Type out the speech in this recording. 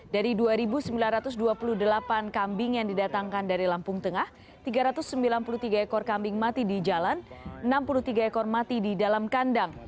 dari dua sembilan ratus dua puluh delapan kambing yang didatangkan dari lampung tengah tiga ratus sembilan puluh tiga ekor kambing mati di jalan enam puluh tiga ekor mati di dalam kandang